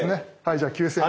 じゃあ９，０００円。